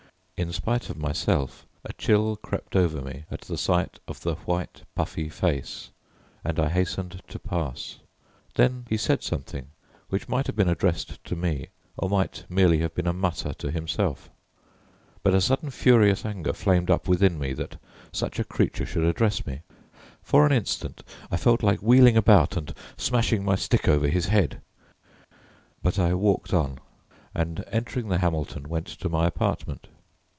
In spite of myself a chill crept over me at the sight of the white puffy face, and I hastened to pass. Then he said something which might have been addressed to me or might merely have been a mutter to himself, but a sudden furious anger flamed up within me that such a creature should address me. For an instant I felt like wheeling about and smashing my stick over his head, but I walked on, and entering the Hamilton went to my apartment.